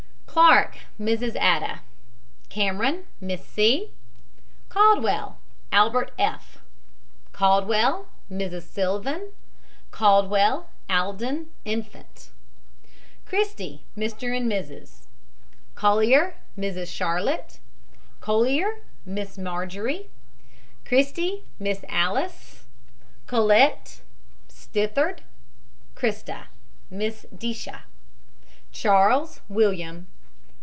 CLARKE, MRS. ADA. CAMERON, MISS. C. CALDWELL, ALBERT F. CALDWELL, MRS. SYLVAN CALDWELL, ALDEN, infant. CRISTY, MR. AND MRS. COLLYER, MRS. CHARLOTTE. COLLYER, MISS MARJORIE CHRISTY, MRS. ALICE. COLLET, STITART. CHRISTA, MISS DIJCIA. CHARLES, WILLIAM.